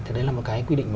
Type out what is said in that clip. thì đấy là một cái quy định